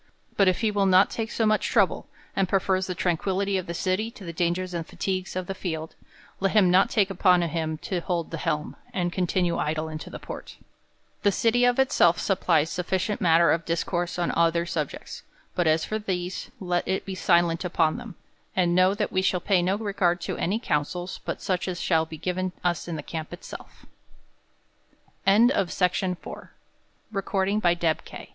But if he will not take so much trouble, and prefers the tranquillity of the city to the dangers and fatigues of the field, let him not take upon him to hold the helm, and continue idle in the port. The city of itself supplies sufficient mat ter of discourse on other subjects ; but as for these, let it be silent upon them ; and know, that we shall pay no regard to any counsels, bu